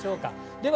では